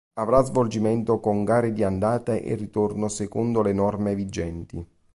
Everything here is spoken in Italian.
Avrà svolgimento con gare di andata e ritorno secondo le norme vigenti.